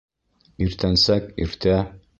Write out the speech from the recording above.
Иртәнсәк, иртә